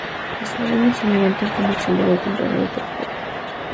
Los molinos se levantan como símbolos de un pasado próspero.